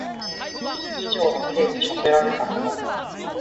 罰金以上の刑に処せられた者